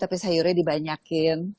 tapi sayurnya dibanyakin